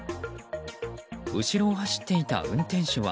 後ろを走っていた運転手は。